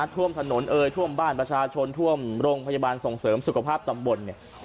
ท่วมถนนเอยท่วมบ้านประชาชนท่วมโรงพยาบาลส่งเสริมสุขภาพตำบลเนี่ย